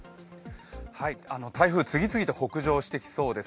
台風、次々と北上してきそうです